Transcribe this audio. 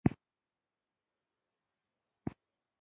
د مريض تپوس له ډېر خلق راغلي وو